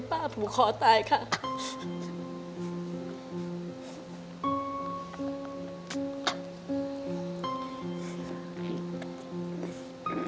ทำงานชื่อนางหยาดฝนภูมิสุขอายุ๕๔ปี